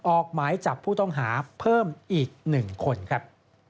ออกหมายจับผู้ต้องหาเพิ่มอีก๑คนครับ